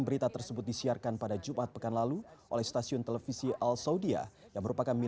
berita tersebut disiarkan pada jumat pekan lalu oleh stasiun televisi al saudia yang merupakan